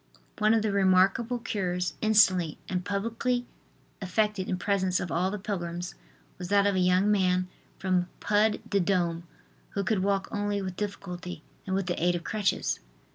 One of the remarkable cures, instantly and publicly effected in presence of all the pilgrims, was that of a young man from Pud de Dome who could walk only with difficulty and with the aid of crutches.